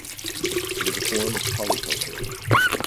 It is a form of polyculture.